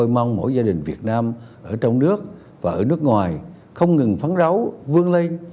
mong mỗi gia đình việt nam ở trong nước và ở nước ngoài không ngừng phán ráu vương lây